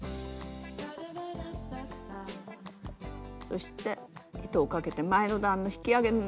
そして糸をかけて前の段の引き上げ